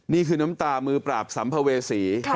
นี่คือน้ำตามือปราบสัมภเวษี